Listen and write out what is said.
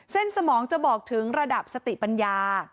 สมองจะบอกถึงระดับสติปัญญา